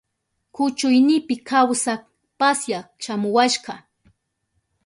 Kuchuynipi kawsak pasyak shamuwashka.